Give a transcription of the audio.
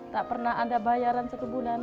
tak pernah ada bayaran sekebunan